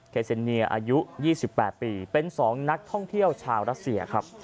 เซนเนียอายุ๒๘ปีเป็น๒นักท่องเที่ยวชาวรัสเซียครับ